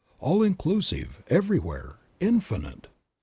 All inclusive, Everywhere, Infinite.